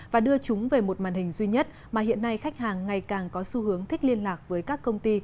và đưa chúng về một màn hình duy nhất mà hiện nay khách hàng ngày càng có xu hướng thích liên lạc với các công ty